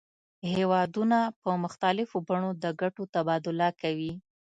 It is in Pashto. هیوادونه په مختلفو بڼو د ګټو تبادله کوي